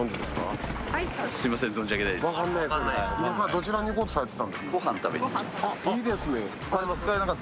どちらに行こうとされていたんですか？